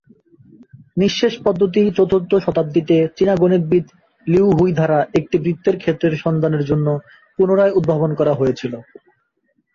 নিঃশেষ পদ্ধতি চতুর্থ শতাব্দীতে চীনা গণিতবিদ লিউ হুই দ্বারা একটি বৃত্তের ক্ষেত্রের সন্ধানের জন্য পুনরায় উদ্ভাবন করা হয়েছিল।